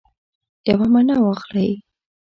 یوه مڼه واخلئ